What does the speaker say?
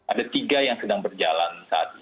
ada tiga yang sedang berbicara